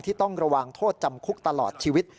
ต้องระวังโทษจำคุกตลอดชีวิต